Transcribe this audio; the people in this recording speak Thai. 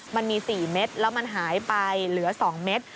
มันมี๔เม็ดแล้วมันหายไปเหลือ๒เม็ด